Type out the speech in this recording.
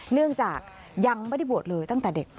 เนื่องจากยังไม่ได้บวชเลยตั้งแต่เด็ก